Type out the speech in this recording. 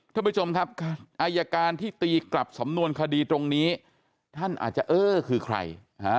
ท่านผู้ชมครับอายการที่ตีกลับสำนวนคดีตรงนี้ท่านอาจจะเออคือใคร